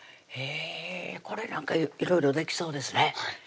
へぇこれなんかいろいろできそうですね